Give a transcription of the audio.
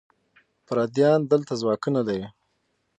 پردیان دلته ځواکونه لري.